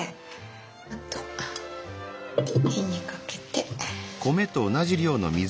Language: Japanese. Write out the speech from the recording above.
あとは火にかけて。